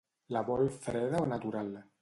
La vol freda o natural?